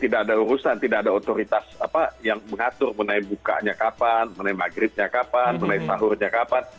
tidak ada urusan tidak ada otoritas yang mengatur mengenai bukanya kapan mengenai maghribnya kapan mengenai sahurnya kapan